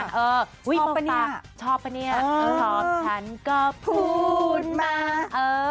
ชอบปะเนี่ยชอบปะเนี่ยชอบฉันก็พูดมาเออ